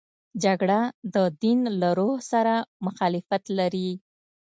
جګړه د دین له روح سره مخالفت لري